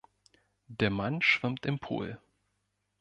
Der Mann schwimmt im Pool.